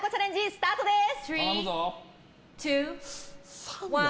スタートです。